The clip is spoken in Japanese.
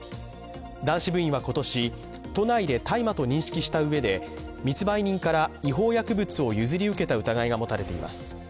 男子部員は今年、都内で大麻と認識したうえで密売人から違法薬物を譲り受けた疑いが持たれています。